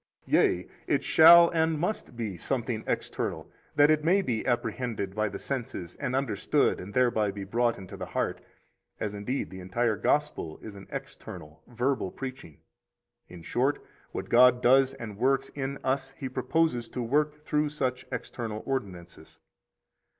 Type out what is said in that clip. Yea, it shall and must be something external, that it may be apprehended by the senses, and understood and thereby be brought into the heart, as indeed the entire Gospel is an external, verbal preaching. In short, what God does and works in us He proposes to work through such external ordinances.